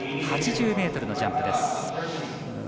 ８０ｍのジャンプです。